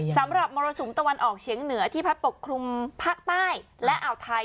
มรสุมตะวันออกเฉียงเหนือที่พัดปกคลุมภาคใต้และอ่าวไทย